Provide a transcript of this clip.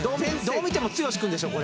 どう見ても剛君でしょ？